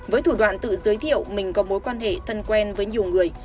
với thủ đoạn tự giới thiệu mình có mối quan hệ thân quen với nhiều người